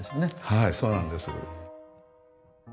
はいそうなんです。